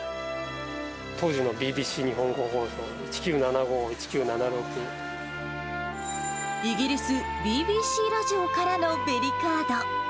当時のＢＢＣ日本語放送、イギリスＢＢＣラジオからのベリカード。